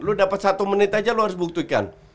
lu dapat satu menit aja lu harus buktikan